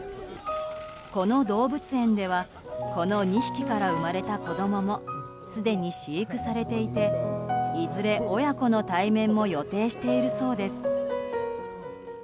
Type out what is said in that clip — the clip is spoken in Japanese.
この動物園ではこの２匹から生まれた子供もすでに飼育されていていずれ親子の対面も予定しているそうです。